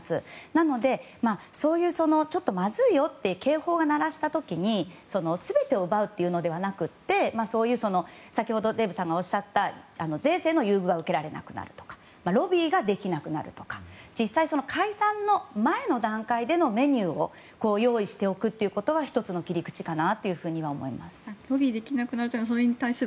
なので、そういうちょっとまずいよという警報を鳴らした時に全てを奪うのではなくてデーブさんがおっしゃった税制の優遇が受けられなくなるとかロビーができなくなるとか実際、解散の前の段階でのメニューを用意しておくということが１つの切り口かなとは思います。